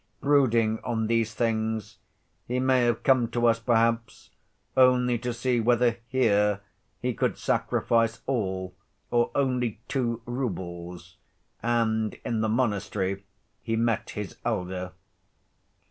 Brooding on these things he may have come to us perhaps only to see whether here he could sacrifice all or only "two roubles," and in the monastery he met this elder.